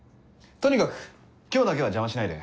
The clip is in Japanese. とにかく今日だけは邪魔しないで。